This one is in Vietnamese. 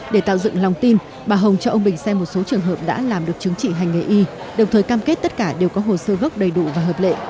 để tạo dựng lòng tin bà hồng cho ông bình xem một số trường hợp đã làm được chứng chỉ hành nghề y đồng thời cam kết tất cả đều có hồ sơ gốc đầy đủ và hợp lệ